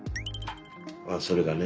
ああそれがね。